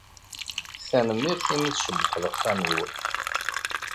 Tanemmirt i mi tcebbḥeḍ axxam-iw.